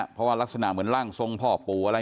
เพราะว่ารักษณะเหมือนร่างทรงพ่อปู่อะไร